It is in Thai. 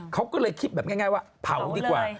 เขาก็เลยคิดแบบง่ายว่าเผาดีกว่า